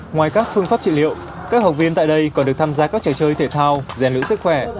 ngoài các phương pháp trị liệu các học viên tại đây còn được tham gia các trò chơi thể thao rèn luyện sức khỏe